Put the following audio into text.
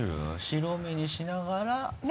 白目にしながら。